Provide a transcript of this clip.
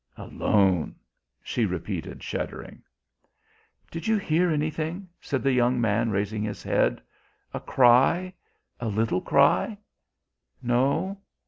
Alone," she repeated shuddering. "Did you hear anything?" said the young man, raising his head. "A cry, a little cry? No?